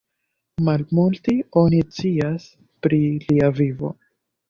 Malmulte oni scias pri lia vivo.